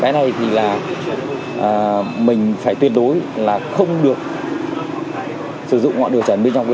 cái này thì là mình phải tuyệt đối là không được sử dụng ngọn đường trần bên trong cơ sở